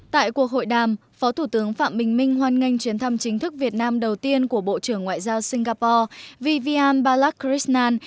tại cuộc hội đàm phó thủ tướng phạm bình minh hoan nghênh chuyến thăm chính thức việt nam đầu tiên của bộ trưởng ngoại giao singapore vivian balakrisonan